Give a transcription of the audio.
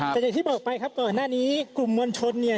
แต่อย่างที่บอกไปครับก่อนหน้านี้กลุ่มมวลชนเนี่ย